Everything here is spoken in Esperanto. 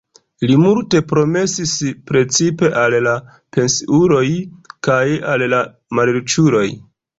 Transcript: Li multe promesis precipe al la pensiuloj kaj al la malriĉuloj.